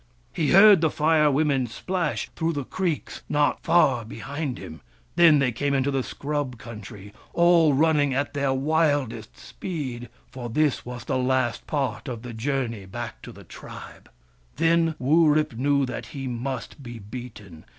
He heard the Fire Women splash through the creeks, not far behind him. Then they came into the scrub country, all running at their wildest speed, for this was the last part of the journey back to the tribe. Then Wurip knew that he must be beaten.